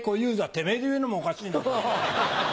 てめぇで言うのもおかしいなこれ。